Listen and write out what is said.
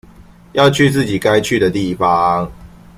要去自己該去的地方